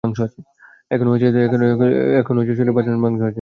এখনো শরীরে পাঁচ পাউন্ড হাড়-মাংস আছে।